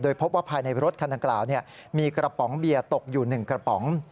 พบว่าภายในรถคันดังกล่าวมีกระป๋องเบียร์ตกอยู่๑กระป๋อง